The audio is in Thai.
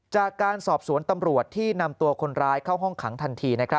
จากการสอบสวนตำรวจที่นำตัวคนร้ายเข้าห้องขังทันที